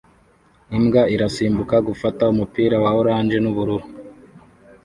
Imbwa irasimbuka gufata umupira wa orange n'ubururu